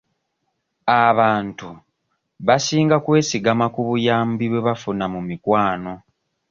Abantubasinga kwesigama ku buyambi bwe bafuna mu mikwano.